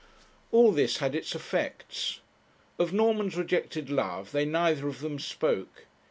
All this had its effects. Of Norman's rejected love they neither of them spoke.